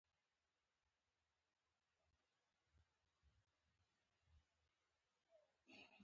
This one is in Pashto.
که وفادار دې تقدير نه کړل ښه خلک به له لاسه ورکړې.